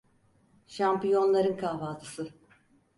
Şampiyonların kahvaltısı.